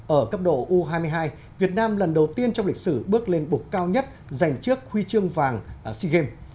ở cấp độ u hai mươi hai việt nam lần đầu tiên trong lịch sử bước lên bục cao nhất dành trước huy chương vàng sea games